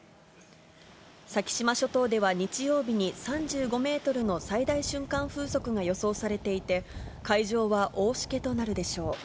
先島諸島では日曜日に３５メートルの最大瞬間風速が予想されていて、海上は大しけとなるでしょう。